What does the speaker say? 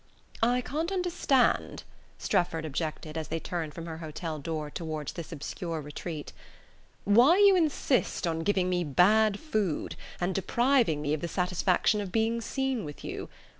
"I can't understand," Strefford objected, as they turned from her hotel door toward this obscure retreat, "why you insist on giving me bad food, and depriving me of the satisfaction of being seen with you.